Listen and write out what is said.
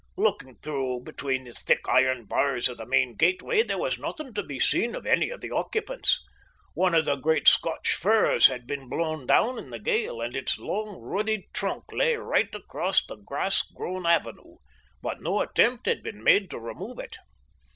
Looking through between the thick iron bars of the main gateway there was nothing to be seen of any of the occupants. One of the great Scotch firs had been blown down in the gale, and its long, ruddy trunk lay right across the grass grown avenue; but no attempt had been made to remove it.